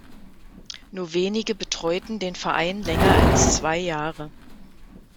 Nur wenige betreuten den Verein länger als zwei Jahre.